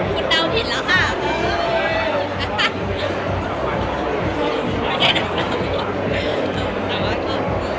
คุณเดาผิดแล้วค่ะ